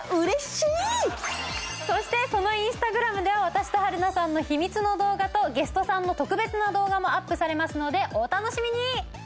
そしてそのインスタグラムでは私と春菜さんの秘密の動画とゲストさんの特別な動画もアップされますのでお楽しみに！